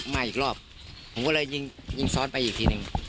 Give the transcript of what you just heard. มาอีกรอบผมก็เลยยิงยิงซ้อนไปอีกทีหนึ่ง